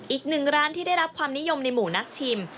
อีกหนึ่งร้านที่ได้รับความนิยมในหมู่นักชิม